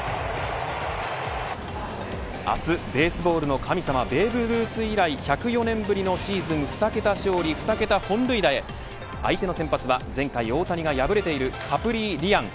明日、ベースボールの神様ベーブ・ルース以来１０４年ぶりのシーズン２桁勝利２桁本塁打へ相手の先発は前回大谷が敗れているカプリーリアン。